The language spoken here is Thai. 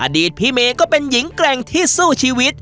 ตพี่เมย์ก็เป็นหญิงแกร่งที่สู้ชีวิต